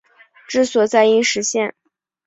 治所在阴石县。